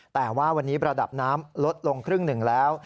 แต่ว่าวันนี้ระดับน้ำลดลงครึ่งหนึ่งแล้ว